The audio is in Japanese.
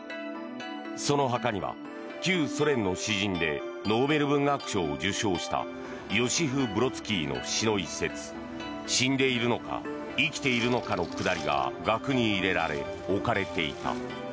その墓には旧ソ連の詩人でノーベル文学賞を受賞したヨシフ・ブロツキーの詩の一説死んでいるのか生きているのかのくだりが額に入れられ置かれていた。